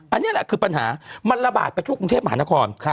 อันนี้แหละคือปัญหามันระบาดไปทั่วกรุงเทพมหานคร